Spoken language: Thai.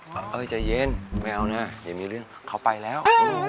เอ้ยใจเย็นไม่เอานะอย่ามีเรื่องเขาไปแล้ว